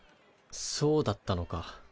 そうだったのか。